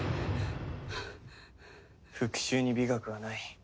復讐に美学はない。